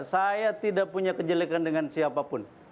saya tidak punya kejelekan dengan siapapun